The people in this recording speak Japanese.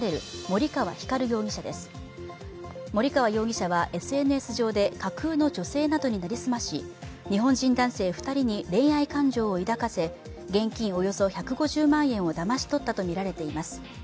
森川容疑者は、ＳＮＳ上で架空の女性などに成り済まし日本人男性２人に恋愛感情を抱かせ現金およそ１５０万円をだまし取ったとみられています。